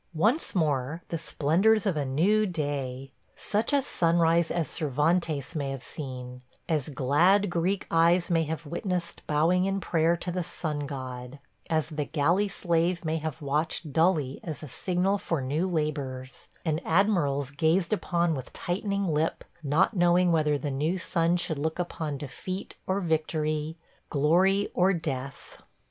Once more the splendors of a new day – such a sunrise as Cervantes may have seen; as glad Greek eyes may have witnessed bowing in prayer to the sun god; as the galley slave may have watched dully as a signal for new labors, and admirals gazed upon with tightening lip, not knowing whether the new sun should look upon defeat or victory, glory or death.